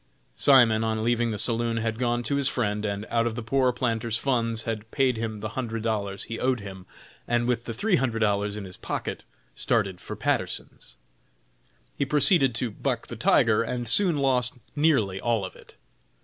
Simon, on leaving the saloon, had gone to his friend and, out of the poor planter's funds, had paid him the hundred dollars he owed him, and, with the three hundred dollars in his pocket, started for Patterson's. He proceeded to "buck the tiger," and soon lost nearly all of it.